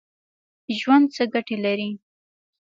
ژوند څه ګټه لري ؟